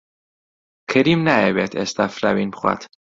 کەریم نایەوێت ئێستا فراوین بخوات.